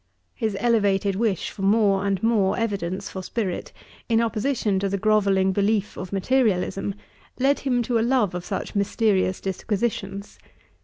His elevated wish for more and more evidence for spirit, in opposition to the groveling belief of materialism, led him to a love of such mysterious disquisitions.